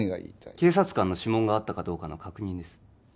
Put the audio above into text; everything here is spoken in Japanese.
警察官の指紋があったかどうかの確認です